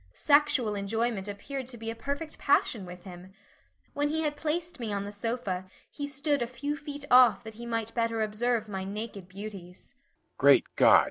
Sexual enjoyment appeared to be a perfect passion with him. When he had placed me on the sofa he stood a few feet off that he might better observe my naked beauties.